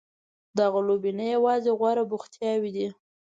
دغه لوبې نه یوازې غوره بوختیاوې دي.